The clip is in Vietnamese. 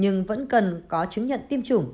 nhưng vẫn cần có chứng nhận tiêm chủng